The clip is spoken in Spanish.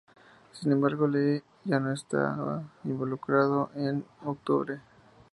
Sin embargo, Lee ya no estaba involucrado en octubre.